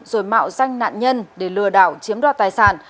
rồi mạo danh nạn nhân để lừa đảo chiếm đoạt tài sản